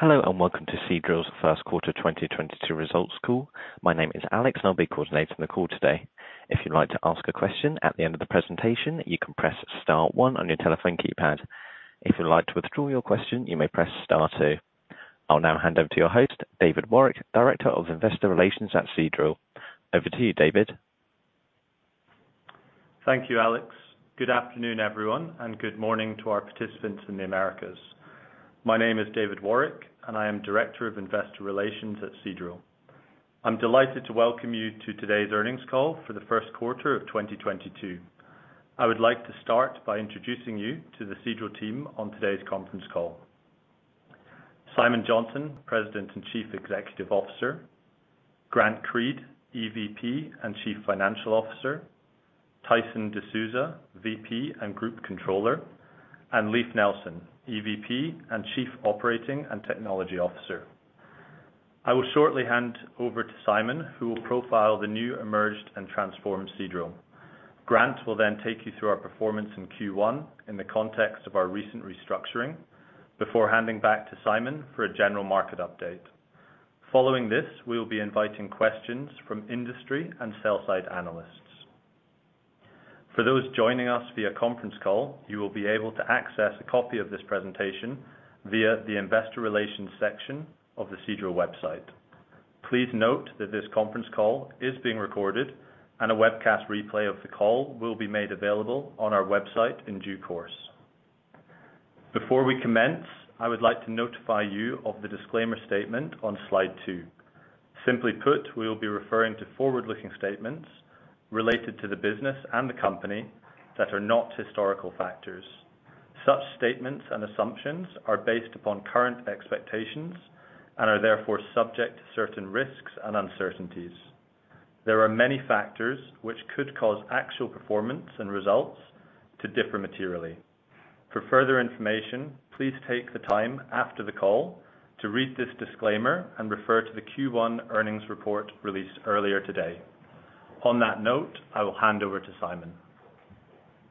Hello, and welcome to Seadrill's first quarter 2022 results call. My name is Alex, and I'll be coordinating the call today. If you'd like to ask a question at the end of the presentation, you can press star one on your telephone keypad. If you'd like to withdraw your question, you may press star two. I'll now hand over to your host, David Warwick, Director of Investor Relations at Seadrill. Over to you, David. Thank you, Alex. Good afternoon, everyone, and good morning to our participants in the Americas. My name is David Warwick, and I am Director of Investor Relations at Seadrill. I'm delighted to welcome you to today's earnings call for the first quarter of 2022. I would like to start by introducing you to the Seadrill team on today's conference call. Simon Johnson, President and Chief Executive Officer, Grant Creed, EVP and Chief Financial Officer, Tyson DeSousa, VP and Group Controller, and Leif Nelson, EVP and Chief Operating and Technology Officer. I will shortly hand over to Simon, who will profile the new emerged and transformed Seadrill. Grant will then take you through our performance in Q1 in the context of our recent restructuring before handing back to Simon for a general market update. Following this, we will be inviting questions from industry and sell-side analysts. For those joining us via conference call, you will be able to access a copy of this presentation via the Investor Relations section of the Seadrill website. Please note that this conference call is being recorded and a webcast replay of the call will be made available on our website in due course. Before we commence, I would like to notify you of the disclaimer statement on slide two. Simply put, we will be referring to forward-looking statements related to the business and the company that are not historical factors. Such statements and assumptions are based upon current expectations and are therefore subject to certain risks and uncertainties. There are many factors which could cause actual performance and results to differ materially. For further information, please take the time after the call to read this disclaimer and refer to the Q1 earnings report released earlier today. On that note, I will hand over to Simon.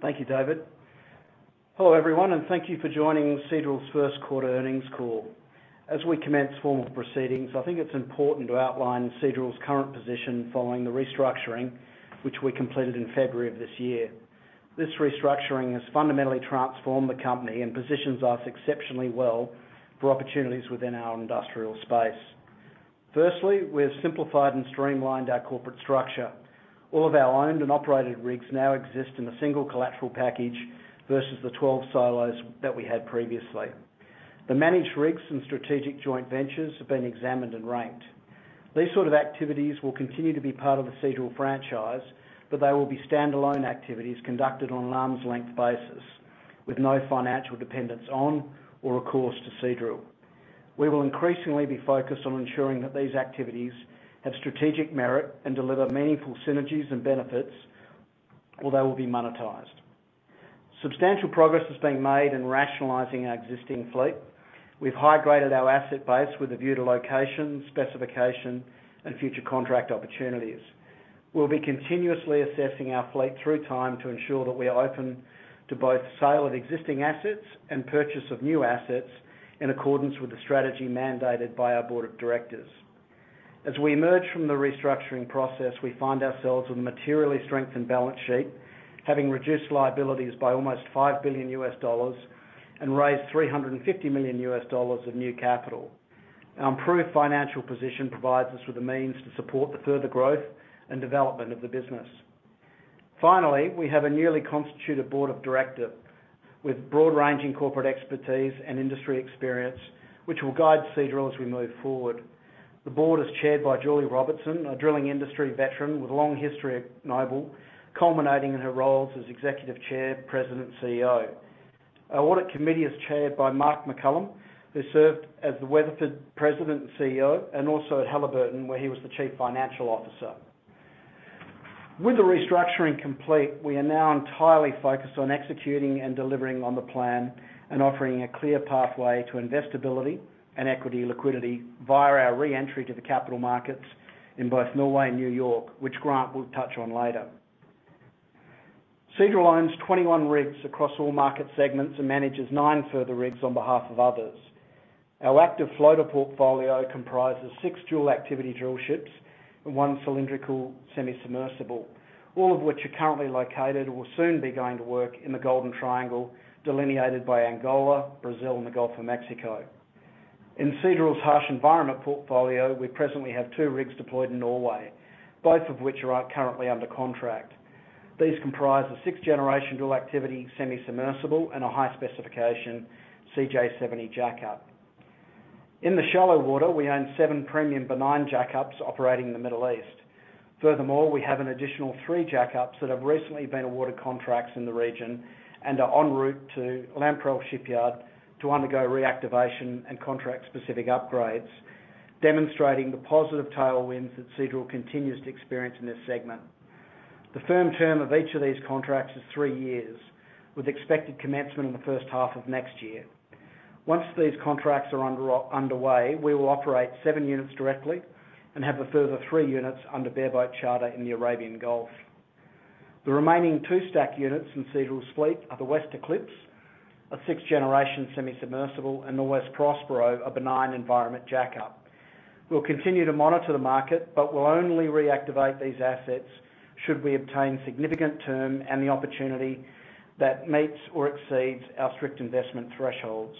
Thank you, David. Hello, everyone, and thank you for joining Seadrill's first quarter earnings call. As we commence formal proceedings, I think it's important to outline Seadrill's current position following the restructuring which we completed in February of this year. This restructuring has fundamentally transformed the company and positions us exceptionally well for opportunities within our industrial space. Firstly, we have simplified and streamlined our corporate structure. All of our owned and operated rigs now exist in a single collateral package versus the 12 silos that we had previously. The managed rigs and strategic joint ventures have been examined and ranked. These sort of activities will continue to be part of the Seadrill franchise, but they will be standalone activities conducted on an arm's-length basis with no financial dependence on or a course to Seadrill. We will increasingly be focused on ensuring that these activities have strategic merit and deliver meaningful synergies and benefits, or they will be monetized. Substantial progress has been made in rationalizing our existing fleet. We've high-graded our asset base with a view to location, specification, and future contract opportunities. We'll be continuously assessing our fleet through time to ensure that we are open to both sale of existing assets and purchase of new assets in accordance with the strategy mandated by our board of directors. As we emerge from the restructuring process, we find ourselves with a materially strengthened balance sheet, having reduced liabilities by almost $5 billion and raised $350 million of new capital. Our improved financial position provides us with the means to support the further growth and development of the business. Finally, we have a newly constituted board of directors with broad-ranging corporate expertise and industry experience, which will guide Seadrill as we move forward. The board is chaired by Julie Robertson, a drilling industry veteran with a long history at Noble, culminating in her roles as Executive Chair, President, CEO. Our audit committee is chaired by Mark McCollum, who served as the Weatherford President and CEO, and also at Halliburton, where he was the Chief Financial Officer. With the restructuring complete, we are now entirely focused on executing and delivering on the plan and offering a clear pathway to investability and equity liquidity via our re-entry to the capital markets in both Norway and New York, which Grant will touch on later. Seadrill owns 21 rigs across all market segments and manages nine further rigs on behalf of others. Our active floater portfolio comprises six dual-activity drill ships and one cylindrical semi-submersible, all of which are currently located or will soon be going to work in the Golden Triangle delineated by Angola, Brazil, and the Gulf of Mexico. In Seadrill's harsh environment portfolio, we presently have two rigs deployed in Norway, both of which are currently under contract. These comprise a sixth-generation dual-activity semi-submersible and a high-specification CJ70 jackup. In the shallow water, we own seven premium benign jackups operating in the Middle East. Furthermore, we have an additional three jackups that have recently been awarded contracts in the region and are en route to Lamprell Shipyard to undergo reactivation and contract-specific upgrades, demonstrating the positive tailwinds that Seadrill continues to experience in this segment. The firm term of each of these contracts is three years, with expected commencement in the first half of next year. Once these contracts are underway, we will operate seven units directly and have a further three units under bareboat charter in the Arabian Gulf. The remaining two stacked units in Seadrill's fleet are the West Eclipse, a sixth-generation semi-submersible, and the West Prospero, a benign-environment jack-up. We'll continue to monitor the market, but will only reactivate these assets should we obtain significant term and the opportunity that meets or exceeds our strict investment thresholds.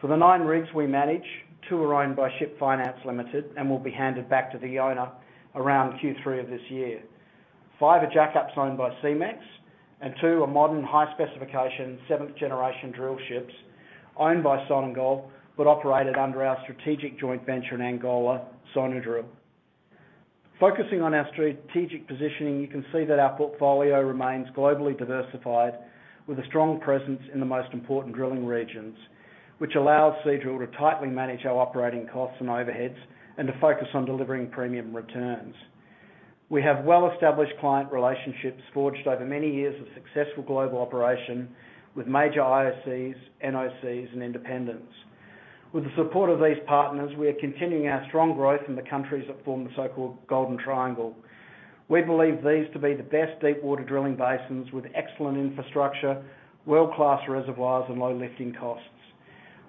For the nine rigs we manage, two are owned by Ship Finance International Limited and will be handed back to the owner around Q3 of this year. Five are jack-ups owned by SeaMex, and two are modern high-specification, seventh-generation drillships owned by Sonangol, but operated under our strategic joint venture in Angola, Sonadrill. Focusing on our strategic positioning, you can see that our portfolio remains globally diversified with a strong presence in the most important drilling regions, which allows Seadrill to tightly manage our operating costs and overheads and to focus on delivering premium returns. We have well-established client relationships forged over many years of successful global operation with major IOCs, NOCs and independents. With the support of these partners, we are continuing our strong growth in the countries that form the so-called Golden Triangle. We believe these to be the best deep water drilling basins with excellent infrastructure, world-class reservoirs and low lifting costs.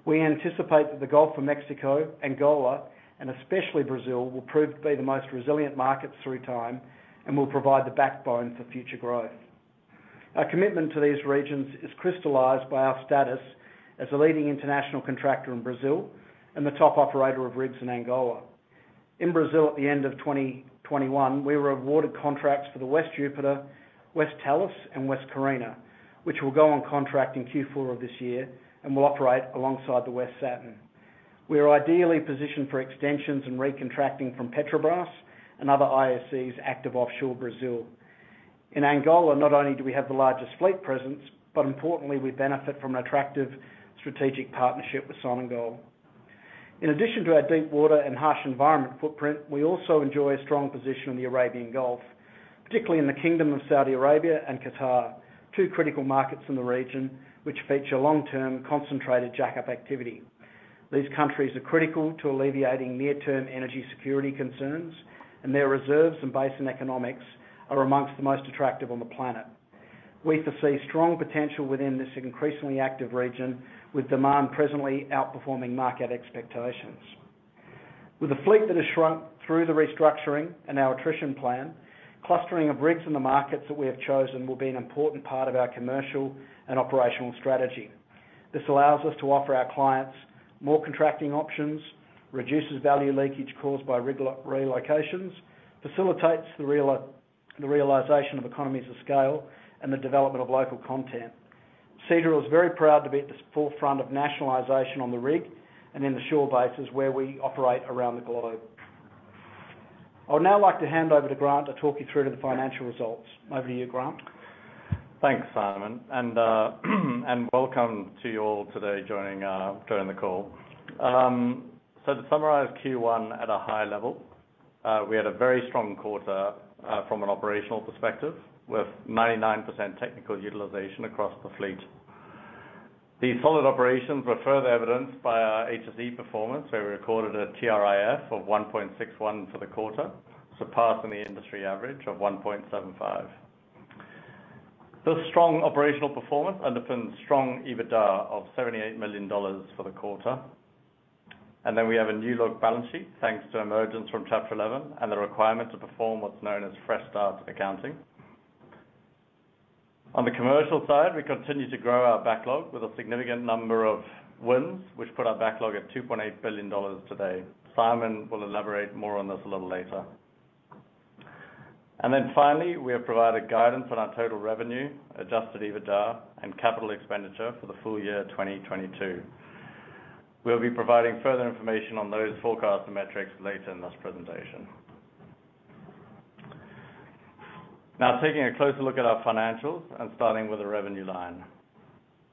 We anticipate that the Gulf of Mexico, Angola, and especially Brazil, will prove to be the most resilient markets through time and will provide the backbone for future growth. Our commitment to these regions is crystallized by our status as a leading international contractor in Brazil and the top operator of rigs in Angola. In Brazil at the end of 2021, we were awarded contracts for the West Jupiter, West Tellus and West Carina, which will go on contract in Q4 of this year and will operate alongside the West Saturn. We are ideally positioned for extensions and recontracting from Petrobras and other IOCs active offshore Brazil. In Angola, not only do we have the largest fleet presence, but importantly, we benefit from an attractive strategic partnership with Sonangol. In addition to our deep water and harsh environment footprint, we also enjoy a strong position in the Arabian Gulf, particularly in the Kingdom of Saudi Arabia and Qatar, two critical markets in the region, which feature long-term concentrated jack-up activity. These countries are critical to alleviating near-term energy security concerns, and their reserves and basin economics are among the most attractive on the planet. We foresee strong potential within this increasingly active region with demand presently outperforming market expectations. With a fleet that has shrunk through the restructuring and our attrition plan, clustering of rigs in the markets that we have chosen will be an important part of our commercial and operational strategy. This allows us to offer our clients more contracting options, reduces value leakage caused by rig relocations, facilitates the realization of economies of scale and the development of local content. Seadrill is very proud to be at the forefront of nationalization on the rig and in the shore bases where we operate around the globe. I would now like to hand over to Grant to talk you through the financial results. Over to you, Grant. Thanks, Simon. Welcome to you all today joining the call. So to summarize Q1 at a high level, we had a very strong quarter from an operational perspective, with 99% technical utilization across the fleet. These solid operations were further evidenced by our HSE performance, where we recorded a TRIR of 1.61 for the quarter, surpassing the industry average of 1.75. This strong operational performance underpins strong EBITDA of $78 million for the quarter. We have a new look balance sheet, thanks to emergence from Chapter 11 and the requirement to perform what's known as fresh start accounting. On the commercial side, we continue to grow our backlog with a significant number of wins, which put our backlog at $2.8 billion today. Simon will elaborate more on this a little later. Finally, we have provided guidance on our total revenue, adjusted EBITDA and capital expenditure for the full year 2022. We'll be providing further information on those forecast and metrics later in this presentation. Now, taking a closer look at our financials and starting with the revenue line.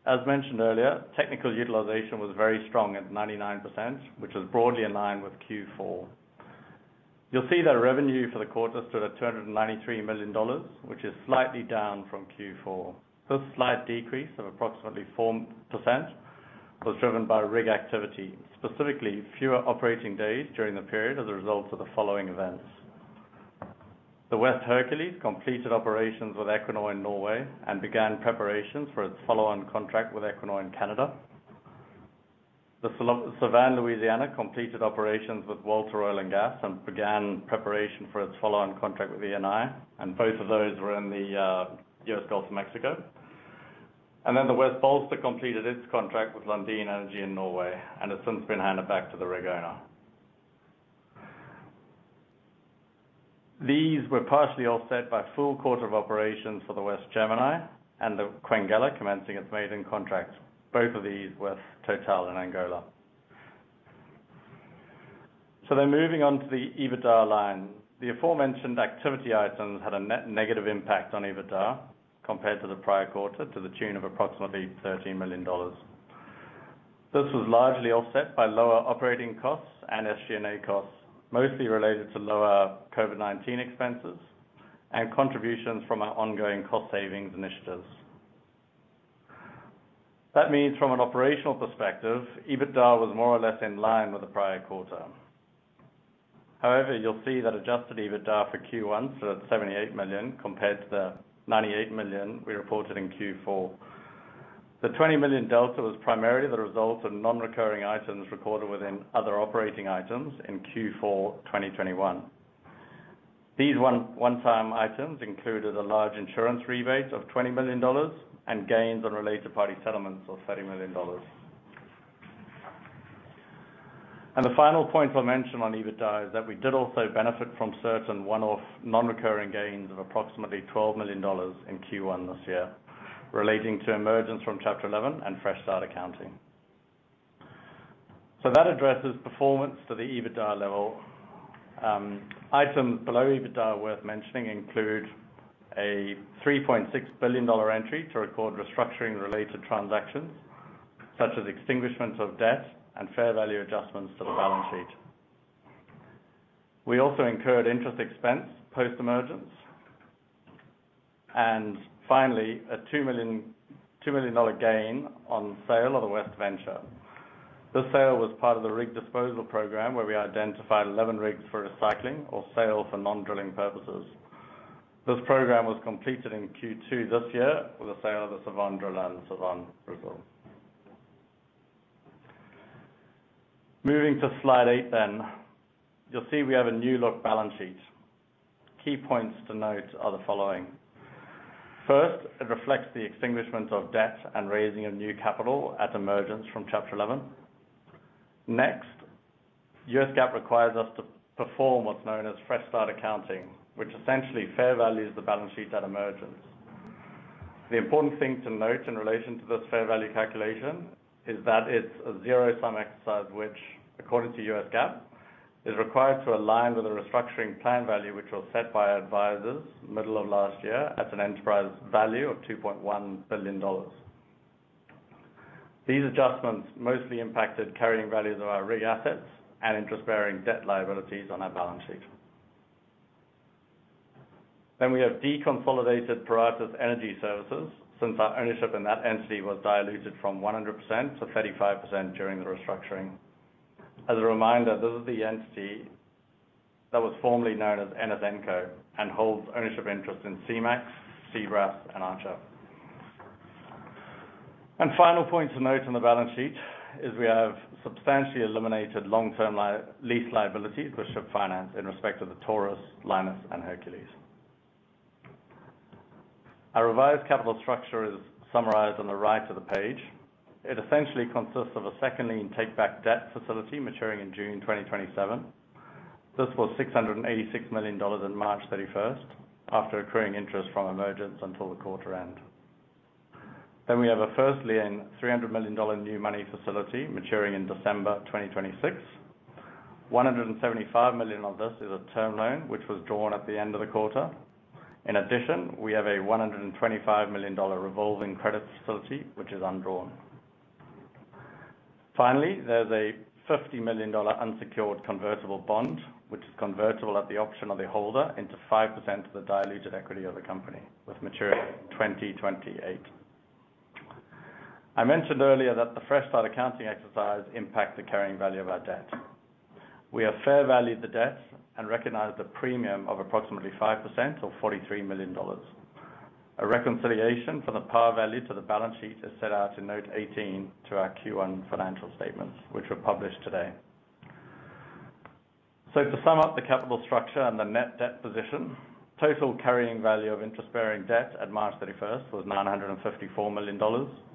As mentioned earlier, technical utilization was very strong at 99%, which was broadly in line with Q4. You'll see that our revenue for the quarter stood at $293 million, which is slightly down from Q4. This slight decrease of approximately 4% was driven by rig activity, specifically fewer operating days during the period as a result of the following events. The West Hercules completed operations with Equinor in Norway and began preparations for its follow-on contract with Equinor in Canada. Sevan Louisiana completed operations with Walter Oil & Gas and began preparation for its follow-on contract with Eni, and both of those were in the U.S. Gulf of Mexico. The West Bollsta completed its contract with Lundin Energy in Norway, and has since been handed back to the rig owner. These were partially offset by full quarter of operations for the West Gemini and the Sonangol Quenguela commencing its maiden contract. Both of these with TotalEnergies in Angola. Moving on to the EBITDA line. The aforementioned activity items had a negative impact on EBITDA compared to the prior quarter, to the tune of approximately $13 million. This was largely offset by lower operating costs and SG&A costs, mostly related to lower COVID-19 expenses and contributions from our ongoing cost savings initiatives. That means from an operational perspective, EBITDA was more or less in line with the prior quarter. However, you'll see that adjusted EBITDA for Q1 stood at $78 million compared to the $98 million we reported in Q4. The 20 million delta was primarily the result of non-recurring items recorded within other operating items in Q4 2021. These one-time items included a large insurance rebate of $20 million and gains on related party settlements of $30 million. The final point I'll mention on EBITDA is that we did also benefit from certain one-off non-recurring gains of approximately $12 million in Q1 this year relating to emergence from Chapter 11 and fresh start accounting. That addresses performance to the EBITDA level. Items below EBITDA worth mentioning include a $3.6 billion entry to record restructuring-related transactions, such as extinguishment of debt and fair value adjustments to the balance sheet. We also incurred interest expense post-emergence. Finally, a $2 million gain on sale of the West Venture. This sale was part of the rig disposal program where we identified 11 rigs for recycling or sale for non-drilling purposes. This program was completed in Q2 this year with the sale of the Sevan Driller and Sevan Brasil. Moving to slide 8 then. You'll see we have a new-look balance sheet. Key points to note are the following. First, it reflects the extinguishment of debt and raising of new capital at emergence from Chapter 11. Next, US GAAP requires us to perform what's known as fresh start accounting, which essentially fair values the balance sheet at emergence. The important thing to note in relation to this fair value calculation is that it's a zero-sum exercise, which according to US GAAP, is required to align with the restructuring plan value, which was set by our advisors middle of last year at an enterprise value of $2.1 billion. These adjustments mostly impacted carrying values of our rig assets and interest-bearing debt liabilities on our balance sheet. Then we have deconsolidated Paratus Energy Services since our ownership in that entity was diluted from 100% to 35% during the restructuring. As a reminder, this is the entity that was formerly known as NSNCo and holds ownership interest in SeaMex, Seabras Sapura, and Archer. Final point to note on the balance sheet is we have substantially eliminated long-term lease liabilities, which have financed in respect to the Taurus, Linus, and Hercules. Our revised capital structure is summarized on the right of the page. It essentially consists of a second lien take back debt facility maturing in June 2027. This was $686 million in March 31 after accruing interest from emergence until the quarter end. We have a first lien, $300 million new money facility maturing in December 2026. $175 million of this is a term loan, which was drawn at the end of the quarter. In addition, we have a $125 million revolving credit facility, which is undrawn. Finally, there's a $50 million unsecured convertible bond, which is convertible at the option of the holder into 5% of the diluted equity of the company with maturity 2028. I mentioned earlier that the fresh start accounting exercise impacts the carrying value of our debt. We have fair valued the debt and recognized a premium of approximately 5% or $43 million. A reconciliation for the par value to the balance sheet is set out in note 18 to our Q1 financial statements, which were published today. To sum up the capital structure and the net debt position, total carrying value of interest-bearing debt at March 31 was $954 million,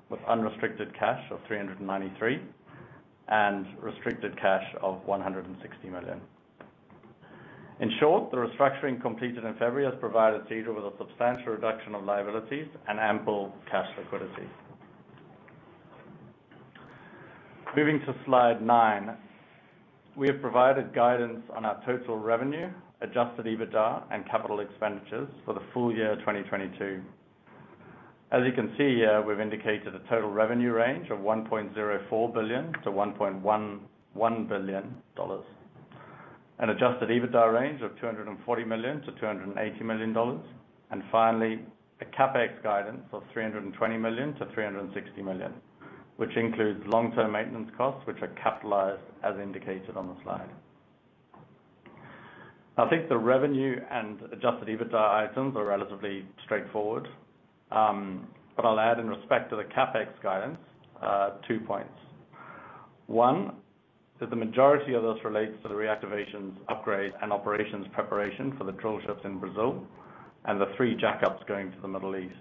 with unrestricted cash of $393 million, and restricted cash of $160 million. In short, the restructuring completed in February has provided Seadrill with a substantial reduction of liabilities and ample cash liquidity. Moving to slide nine, we have provided guidance on our total revenue, adjusted EBITDA and capital expenditures for the full year 2022. As you can see here, we've indicated a total revenue range of $1.04 billion-$1.11 billion. An adjusted EBITDA range of $240 million-$280 million. Finally, a CapEx guidance of $320 million-$360 million, which includes long-term maintenance costs, which are capitalized as indicated on the slide. I think the revenue and adjusted EBITDA items are relatively straightforward, but I'll add in respect to the CapEx guidance, two points. One, that the majority of this relates to the reactivations, upgrade, and operations preparation for the drill ships in Brazil and the three jackups going to the Middle East.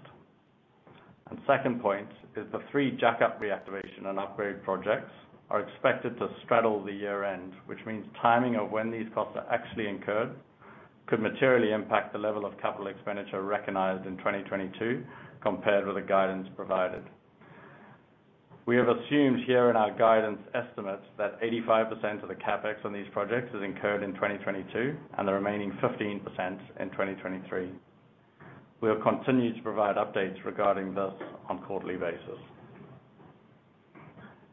Second point is the three jack-up reactivation and upgrade projects are expected to straddle the year-end, which means timing of when these costs are actually incurred could materially impact the level of capital expenditure recognized in 2022 compared with the guidance provided. We have assumed here in our guidance estimates that 85% of the CapEx on these projects is incurred in 2022, and the remaining 15% in 2023. We'll continue to provide updates regarding this on quarterly basis.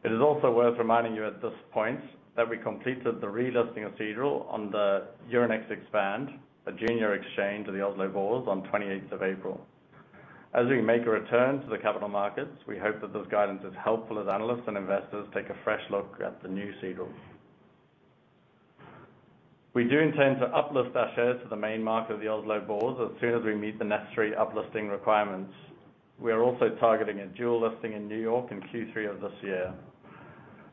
It is also worth reminding you at this point that we completed the relisting of Seadrill on the Euronext Expand, a junior exchange of the Oslo Børs on 28th of April. As we make a return to the capital markets, we hope that this guidance is helpful as analysts and investors take a fresh look at the new Seadrill. We do intend to uplift our share to the main market of the Oslo Børs as soon as we meet the necessary uplisting requirements. We are also targeting a dual listing in New York in Q3 of this year.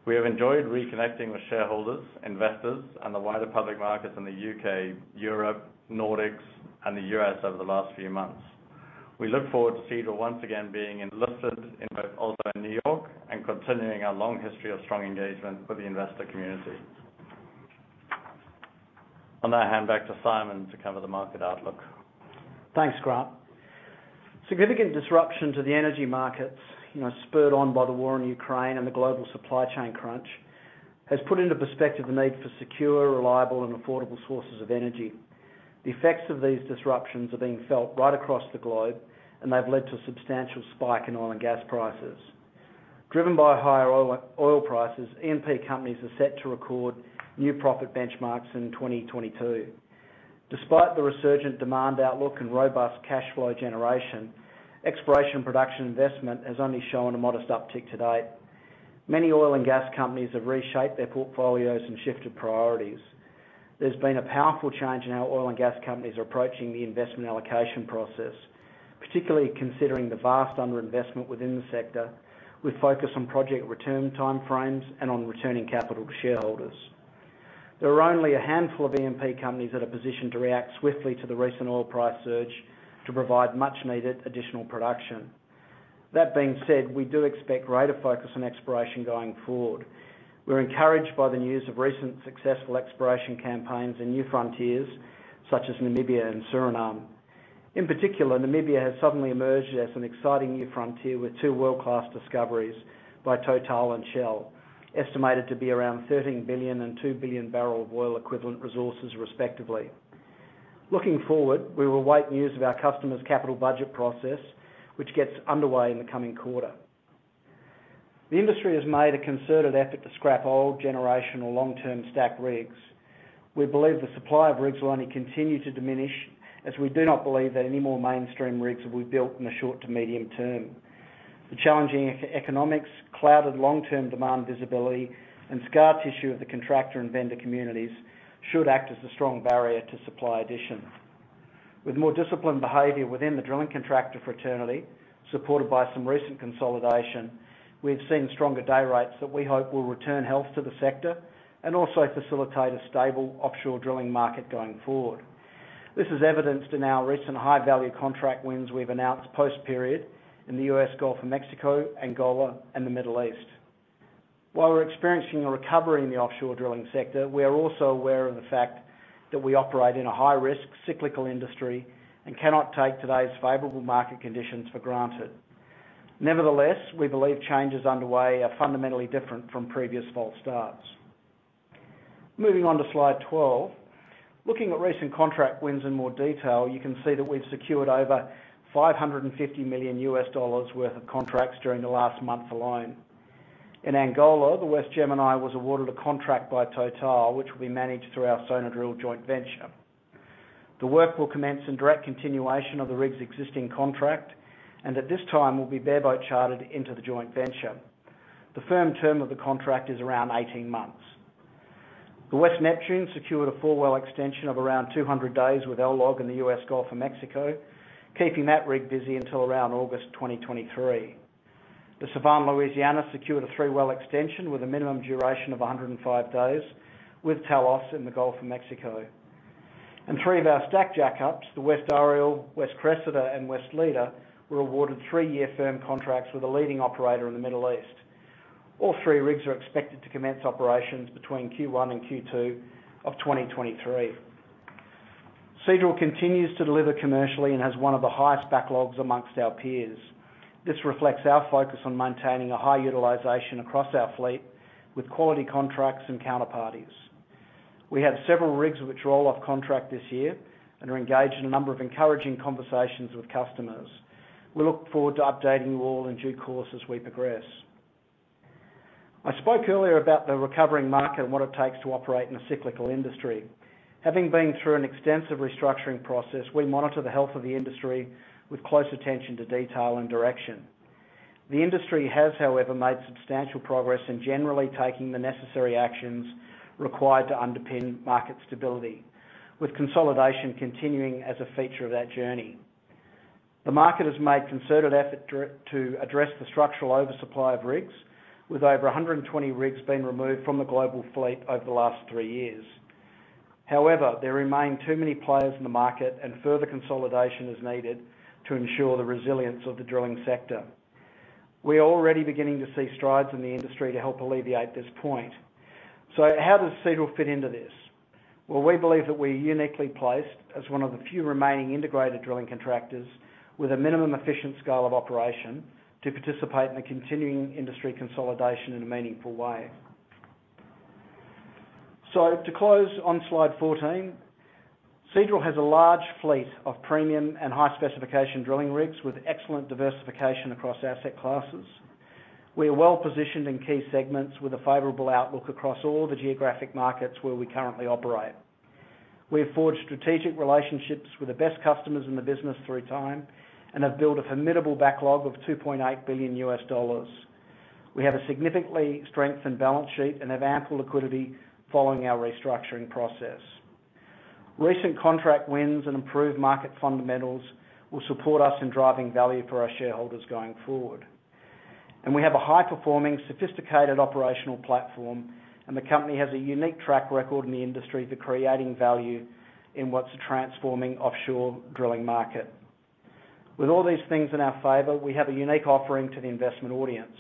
We have enjoyed reconnecting with shareholders, investors, and the wider public markets in the U.K., Europe, Nordics, and the U.S. over the last few months. We look forward to Seadrill once again being listed in both Oslo and New York, and continuing our long history of strong engagement with the investor community. I'll now hand back to Simon to cover the market outlook. Thanks, Grant. Significant disruption to the energy markets, you know, spurred on by the war in Ukraine and the global supply chain crunch, has put into perspective the need for secure, reliable, and affordable sources of energy. The effects of these disruptions are being felt right across the globe, and they have led to a substantial spike in oil and gas prices. Driven by higher oil prices, E&P companies are set to record new profit benchmarks in 2022. Despite the resurgent demand outlook and robust cash flow generation, exploration production investment has only shown a modest uptick to date. Many oil and gas companies have reshaped their portfolios and shifted priorities. There's been a powerful change in how oil and gas companies are approaching the investment allocation process, particularly considering the vast under-investment within the sector with focus on project return timeframes and on returning capital to shareholders. There are only a handful of E&P companies that are positioned to react swiftly to the recent oil price surge to provide much needed additional production. That being said, we do expect greater focus on exploration going forward. We're encouraged by the news of recent successful exploration campaigns in new frontiers such as Namibia and Suriname. In particular, Namibia has suddenly emerged as an exciting new frontier with two world-class discoveries by Total and Shell, estimated to be around 13 billion and two billion barrels of oil equivalent resources, respectively. Looking forward, we await news of our customers' capital budget process, which gets underway in the coming quarter. The industry has made a concerted effort to scrap old generational long-term stacked rigs. We believe the supply of rigs will only continue to diminish as we do not believe that any more mainstream rigs will be built in the short to medium term. The challenging economics, clouded long-term demand visibility, and scar tissue of the contractor and vendor communities should act as a strong barrier to supply addition. With more disciplined behavior within the drilling contractor fraternity, supported by some recent consolidation, we have seen stronger day rates that we hope will return health to the sector and also facilitate a stable offshore drilling market going forward. This is evidenced in our recent high-value contract wins we've announced post-period in the U.S. Gulf of Mexico, Angola, and the Middle East. While we're experiencing a recovery in the offshore drilling sector, we are also aware of the fact that we operate in a high-risk cyclical industry and cannot take today's favorable market conditions for granted. Nevertheless, we believe changes underway are fundamentally different from previous false starts. Moving on to slide 12. Looking at recent contract wins in more detail, you can see that we've secured over $550 million worth of contracts during the last month alone. In Angola, the West Gemini was awarded a contract by Total, which will be managed through our Sonadrill joint venture. The work will commence in direct continuation of the rig's existing contract, and at this time will be bareboat chartered into the joint venture. The firm term of the contract is around 18 months. The West Neptune secured a four well extension of around 200 days with LLOG in the U.S. Gulf of Mexico, keeping that rig busy until around August 2023. The Sevan Louisiana secured a three well extension with a minimum duration of 105 days with Talos in the Gulf of Mexico. Three of our stacked jack-ups, the West Ariel, West Cressida, and West Leda, were awarded three year firm contracts with a leading operator in the Middle East. All three rigs are expected to commence operations between Q1 and Q2 of 2023. Seadrill continues to deliver commercially and has one of the highest backlogs among our peers. This reflects our focus on maintaining a high utilization across our fleet with quality contracts and counterparties. We have several rigs which roll off contract this year and are engaged in a number of encouraging conversations with customers. We look forward to updating you all in due course as we progress. I spoke earlier about the recovering market and what it takes to operate in a cyclical industry. Having been through an extensive restructuring process, we monitor the health of the industry with close attention to detail and direction. The industry has, however, made substantial progress in generally taking the necessary actions required to underpin market stability, with consolidation continuing as a feature of that journey. The market has made concerted effort to address the structural oversupply of rigs, with over 120 rigs being removed from the global fleet over the last three years. However, there remain too many players in the market, and further consolidation is needed to ensure the resilience of the drilling sector. We are already beginning to see strides in the industry to help alleviate this point. How does Seadrill fit into this? Well, we believe that we are uniquely placed as one of the few remaining integrated drilling contractors with a minimum efficient scale of operation to participate in the continuing industry consolidation in a meaningful way. To close on slide 14, Seadrill has a large fleet of premium and high specification drilling rigs with excellent diversification across asset classes. We are well positioned in key segments with a favorable outlook across all the geographic markets where we currently operate. We have forged strategic relationships with the best customers in the business through time and have built a formidable backlog of $2.8 billion. We have a significantly strengthened balance sheet and have ample liquidity following our restructuring process. Recent contract wins and improved market fundamentals will support us in driving value for our shareholders going forward. We have a high performing sophisticated operational platform, and the company has a unique track record in the industry for creating value in what's a transforming offshore drilling market. With all these things in our favor, we have a unique offering to the investment audience.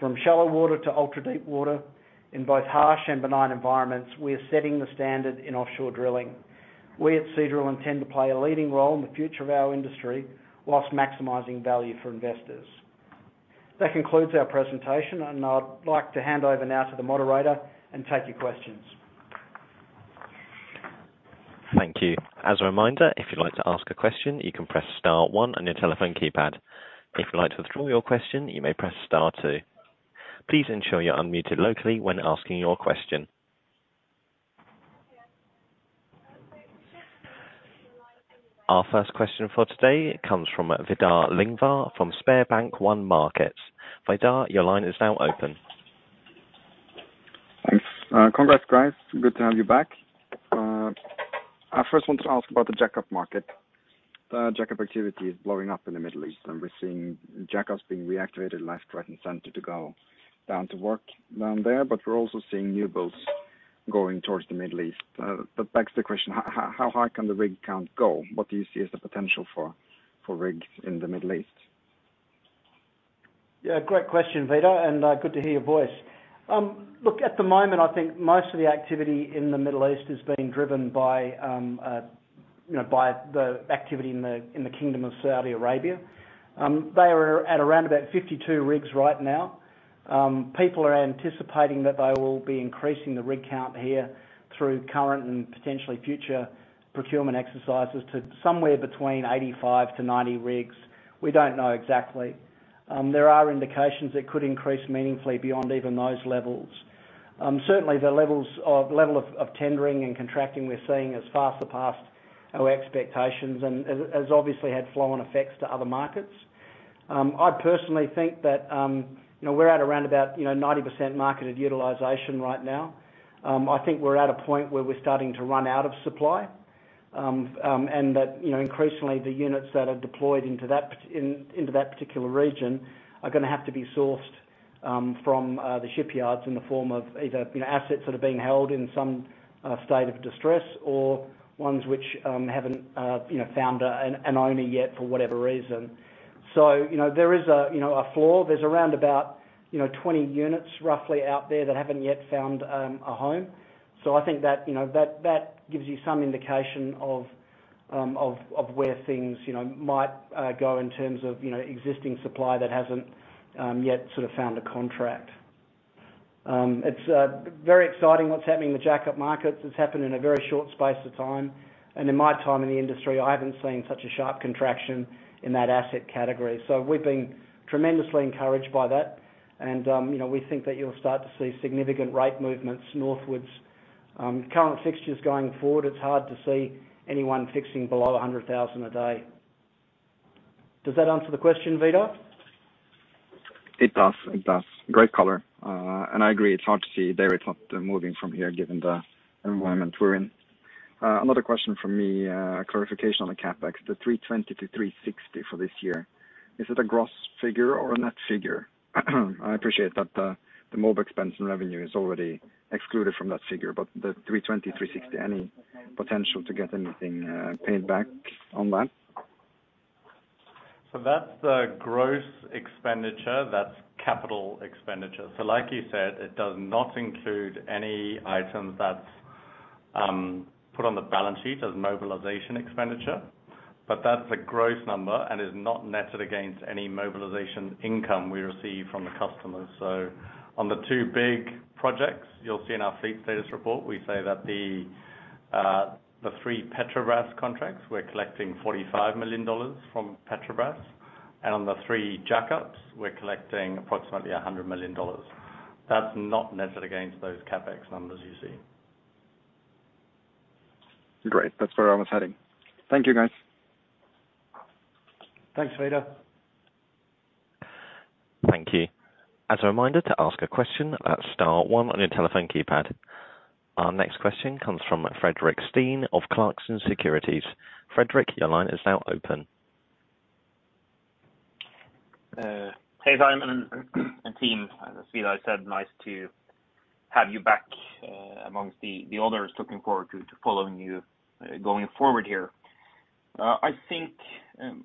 From shallow water to ultra-deep water in both harsh and benign environments, we are setting the standard in offshore drilling. We at Seadrill intend to play a leading role in the future of our industry while maximizing value for investors. That concludes our presentation, and I'd like to hand over now to the moderator and take your questions. Thank you. As a reminder, if you'd like to ask a question, you can press star one on your telephone keypad. If you'd like to withdraw your question, you may press star two. Please ensure you're unmuted locally when asking your question. Our first question for today comes from Vidar Lyngvær, from SpareBank 1 Markets. Vidar, your line is now open. Thanks. Congrats guys. Good to have you back. I first wanted to ask about the jack-up market. The jack-up activity is blowing up in the Middle East, and we're seeing jack-ups being reactivated left, right, and center to go down to work down there. We're also seeing new builds going towards the Middle East. That begs the question, how high can the rig count go? What do you see as the potential for rigs in the Middle East? Yeah, great question, Vidar, and good to hear your voice. Look, at the moment, I think most of the activity in the Middle East is being driven by the activity in the Kingdom of Saudi Arabia. They are at around about 52 rigs right now. People are anticipating that they will be increasing the rig count here through current and potentially future procurement exercises to somewhere between 85-90 rigs. We don't know exactly. There are indications that could increase meaningfully beyond even those levels. Certainly the levels of tendering and contracting we're seeing is far surpassed our expectations and has obviously had flow on effects to other markets. I personally think that we're at around about 90% marketed utilization right now. I think we're at a point where we're starting to run out of supply. That, you know, increasingly the units that are deployed into that particular region are gonna have to be sourced from the shipyards in the form of either, you know, assets that are being held in some state of distress or ones which haven't, you know, found an owner yet, for whatever reason. There is a floor. There's around about, you know, 20 units roughly out there that haven't yet found a home. I think that gives you some indication of where things, you know, might go in terms of existing supply that hasn't yet sort of found a contract. It's very exciting what's happening in the jack-up markets. It's happened in a very short space of time. In my time in the industry, I haven't seen such a sharp contraction in that asset category. We've been tremendously encouraged by that. You know, we think that you'll start to see significant rate movements northwards. Current fixtures going forward, it's hard to see anyone fixing below $100,000 a day. Does that answer the question, Vidar? It does. Great color. I agree, it's hard to see day rates not moving from here given the environment we're in. Another question from me, clarification on the CapEx, the $320-$360 for this year. Is it a gross figure or a net figure? I appreciate that, the mobilization expense and revenue is already excluded from that figure, but the $320, $360, any potential to get anything paid back on that? That's the gross expenditure, that's capital expenditure. Like you said, it does not include any items that's put on the balance sheet as mobilization expenditure. That's a gross number and is not netted against any mobilization income we receive from the customers. On the two big projects, you'll see in our fleet status report, we say that the three Petrobras contracts, we're collecting $45 million from Petrobras. On the three jackups, we're collecting approximately $100 million. That's not netted against those CapEx numbers you see. Great. That's where I was heading. Thank you, guys. Thanks, Vidar. Thank you. As a reminder to ask a question, star one on your telephone keypad. Our next question comes from Fredrik Stene of Clarksons Securities. Fredrik, your line is now open. Hey, Simon and team. As Vidar said, nice to have you back among the others. Looking forward to following you going forward here. I think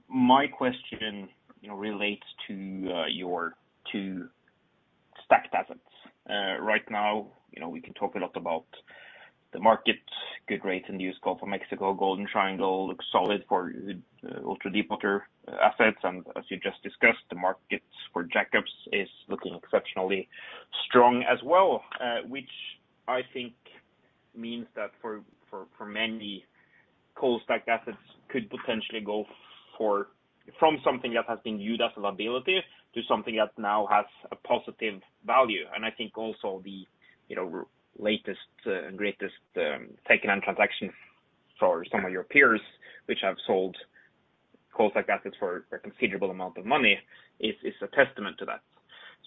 my question, you know, relates to your cold-stacked assets. Right now, you know, we can talk a lot about the market, good rates in the Gulf of Mexico. Golden Triangle looks solid for ultra-deepwater assets. As you just discussed, the markets for jack-ups is looking exceptionally strong as well, which I think means that for many cold-stacked assets could potentially go from something that has been viewed as a liability to something that now has a positive value. I think also the you know latest and greatest takeaway from the transaction for some of your peers, which have sold jack-up assets for a considerable amount of money is a testament to that.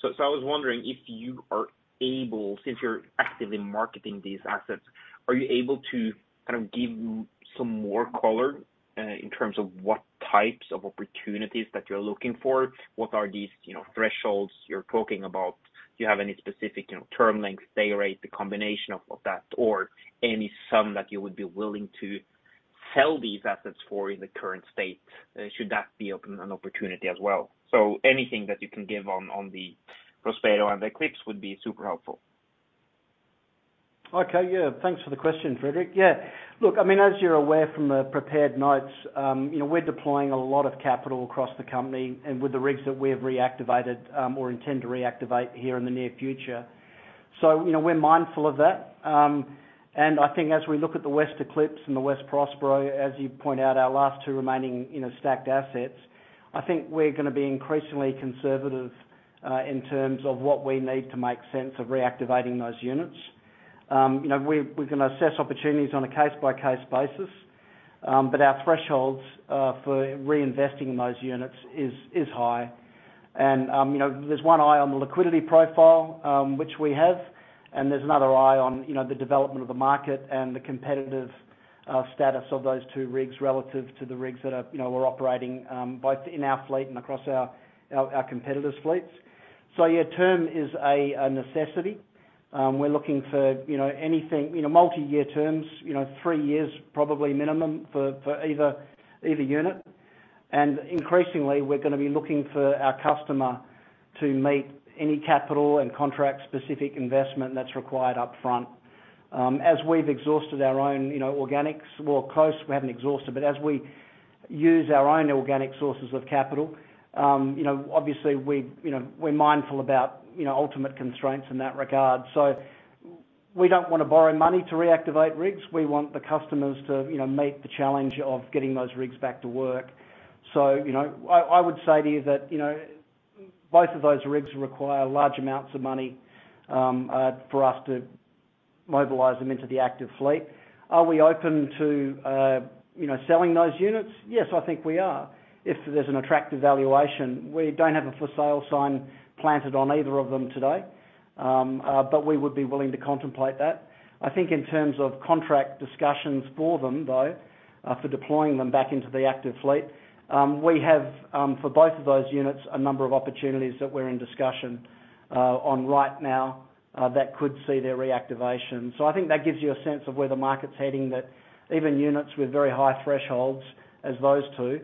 I was wondering if you are able, since you are actively marketing these assets, are you able to kind of give me some more color in terms of what types of opportunities that you are looking for. What are these you know thresholds you are talking about. Do you have any specific you know term length, day rate, the combination of that or any sum that you would be willing to sell these assets for in the current state, should that be open an opportunity as well. Anything that you can give on the Prospero and Eclipse would be super helpful. Okay. Yeah, thanks for the question, Fredrik. Yeah. Look, I mean, as you're aware from the prepared notes, you know, we're deploying a lot of capital across the company and with the rigs that we have reactivated, or intend to reactivate here in the near future. You know, we're mindful of that. I think as we look at the West Eclipse and the West Prospero, as you point out, our last two remaining, you know, stacked assets, I think we're gonna be increasingly conservative, in terms of what we need to make sense of reactivating those units. You know, we're gonna assess opportunities on a case-by-case basis. Our thresholds, for reinvesting in those units is high. You know, there's one eye on the liquidity profile, which we have, and there's another eye on, you know, the development of the market and the competitive status of those two rigs relative to the rigs that are, you know, we're operating both in our fleet and across our competitors' fleets. Yeah, term is a necessity. We're looking for, you know, anything, you know, multiyear terms, you know, three years probably minimum for either unit. Increasingly we're gonna be looking for our customer to meet any capital and contract specific investment that's required up front. As we've exhausted our own, you know, organics or close, we haven't exhausted, but as we use our own organic sources of capital, you know, obviously we, you know, we're mindful about, you know, ultimate constraints in that regard. We don't wanna borrow money to reactivate rigs. We want the customers to, you know, meet the challenge of getting those rigs back to work. You know, I would say to you that, you know, both of those rigs require large amounts of money for us to mobilize them into the active fleet. Are we open to, you know, selling those units? Yes, I think we are. If there's an attractive valuation. We don't have a for sale sign planted on either of them today. We would be willing to contemplate that. I think in terms of contract discussions for them though, for deploying them back into the active fleet, we have, for both of those units, a number of opportunities that we're in discussion on right now, that could see their reactivation. I think that gives you a sense of where the market's heading, that even units with very high thresholds as those two,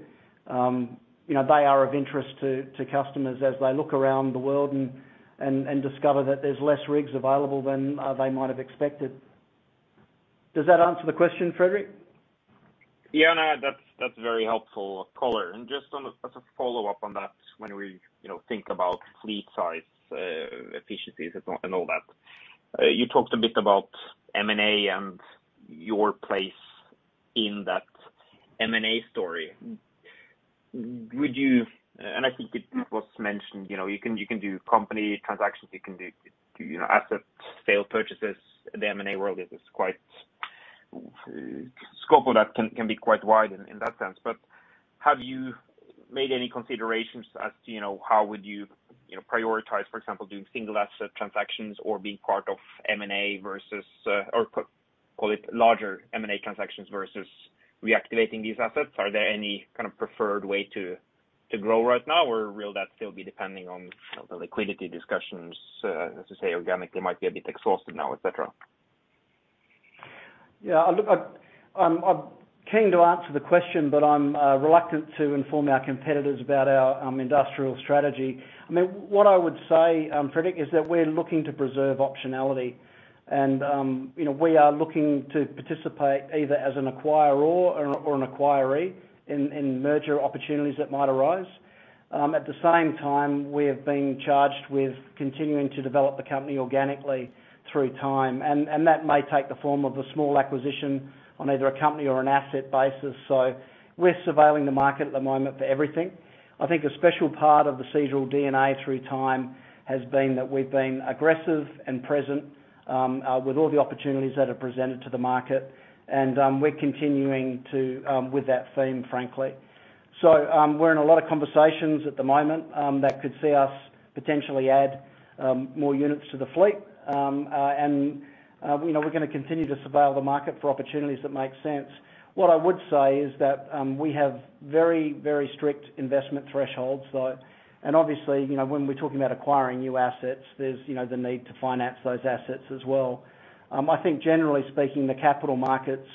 you know, they are of interest to customers as they look around the world and discover that there's less rigs available than they might have expected. Does that answer the question, Fredrik? Yeah, no, that's very helpful color. Just as a follow-up on that, when we, you know, think about fleet size, efficiencies and all that, you talked a bit about M&A and your place in that M&A story. Would you, and I think it was mentioned, you know, you can do company transactions, you can do, you know, asset sale purchases. The M&A world is quite a scope of that can be quite wide in that sense. Have you made any considerations as to, you know, how would you know, prioritize, for example, doing single asset transactions or being part of M&A versus, or call it larger M&A transactions versus reactivating these assets? Are there any kind of preferred way to grow right now? Will that still be depending on the liquidity discussions, as you say, organically might be a bit exhausted now, et cetera? Yeah. Look, I'm keen to answer the question, but I'm reluctant to inform our competitors about our industrial strategy. I mean, what I would say, Fredrik, is that we're looking to preserve optionality and, you know, we are looking to participate either as an acquirer or an acquiree in merger opportunities that might arise. At the same time, we have been charged with continuing to develop the company organically through time and that may take the form of a small acquisition on either a company or an asset basis. We're surveilling the market at the moment for everything. I think a special part of the Seadrill DNA through time has been that we've been aggressive and present with all the opportunities that are presented to the market. We're continuing with that theme, frankly. We're in a lot of conversations at the moment that could see us potentially add more units to the fleet. You know, we're gonna continue to survey the market for opportunities that make sense. What I would say is that we have very, very strict investment thresholds. Obviously, you know, when we're talking about acquiring new assets, there's you know, the need to finance those assets as well. I think generally speaking, the capital markets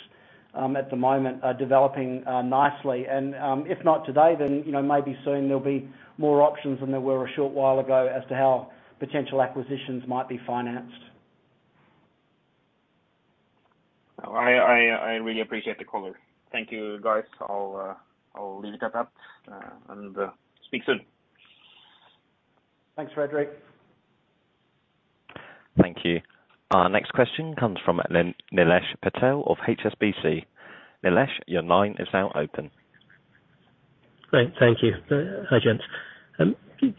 at the moment are developing nicely. If not today, then you know, maybe soon there'll be more options than there were a short while ago as to how potential acquisitions might be financed. I really appreciate the color. Thank you, guys. I'll leave it at that, and speak soon. Thanks, Fredrik. Thank you. Our next question comes from Nilesh Patil of HSBC. Nilesh, your line is now open. Great. Thank you. Hi, gents.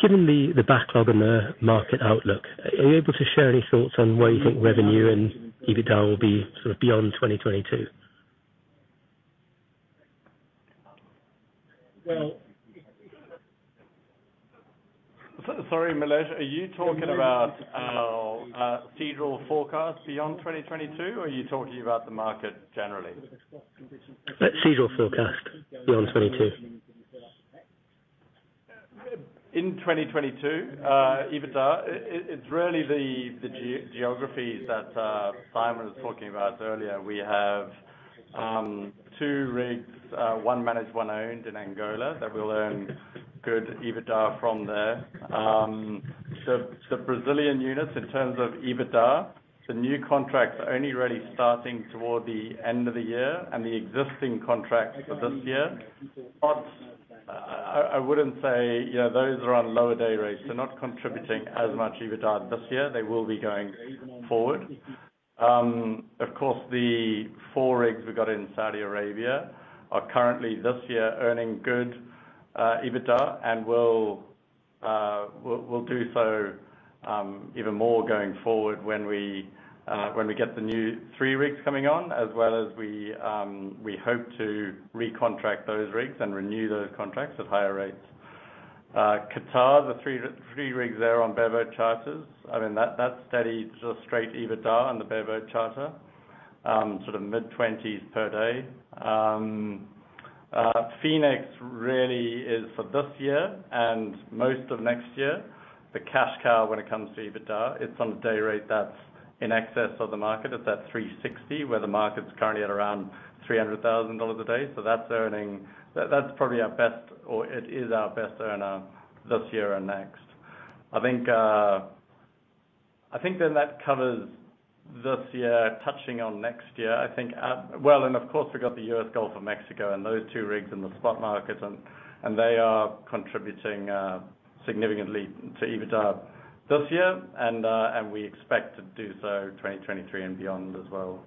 Given the backlog and the market outlook, are you able to share any thoughts on where you think revenue and EBITDA will be sort of beyond 2022? Well... Sorry, Nilesh, are you talking about our Seadrill forecast beyond 2022, or are you talking about the market generally? Seadrill forecast beyond 2022. In 2022, EBITDA, it's really the geography that Simon was talking about earlier. We have two rigs, one managed, one owned in Angola that will earn good EBITDA from there. The Brazilian units, in terms of EBITDA, the new contracts are only really starting toward the end of the year and the existing contracts are this year. I wouldn't say, you know, those are on lower day rates. They're not contributing as much EBITDA this year. They will be going forward. Of course, the four rigs we got in Saudi Arabia are currently this year earning good EBITDA and will do so even more going forward when we get the new three rigs coming on, as well as we hope to recontract those rigs and renew those contracts at higher rates. Qatar, the three rigs there on bareboat charters, I mean that's steady, just straight EBITDA on the bareboat charter, sort of $25,000 per day. Phoenix really is for this year and most of next year, the cash cow when it comes to EBITDA. It's on a day rate that's in excess of the market. It's at $360,000, where the market's currently at around $300,000 a day. That's earning... That's probably our best, or it is our best earner this year and next. I think then that covers this year touching on next year. Well, and of course we've got the U.S. Gulf of Mexico and those two rigs in the spot market, and they are contributing significantly to EBITDA this year, and we expect to do so 2023 and beyond as well.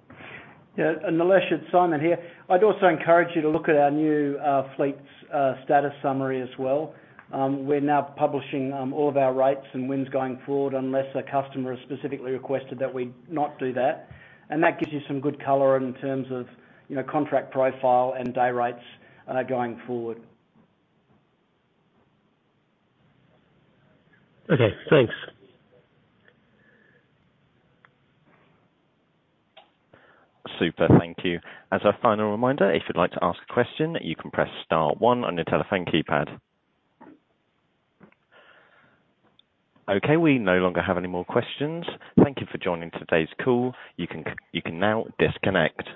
Yeah, Nilesh, it's Simon here. I'd also encourage you to look at our new fleet status summary as well. We're now publishing all of our rates and wins going forward, unless a customer has specifically requested that we not do that. That gives you some good color in terms of, you know, contract profile and day rates going forward. Okay, thanks. Super. Thank you. As a final reminder, if you'd like to ask a question, you can press star one on your telephone keypad. Okay, we no longer have any more questions. Thank you for joining today's call. You can now disconnect.